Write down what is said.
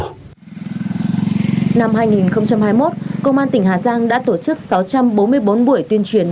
năm hai nghìn hai mươi một công an tỉnh hà giang đã tổ chức sáu trăm bốn mươi bốn buổi tuyên truyền